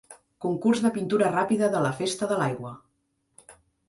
Concurs de Pintura Ràpida de la Festa de l'Aigua.